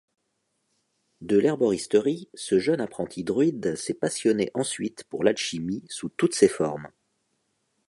De l'herboristerie, ce jeune apprenti-druide s'est passionné ensuite pour l'alchimie sous toutes ses formes.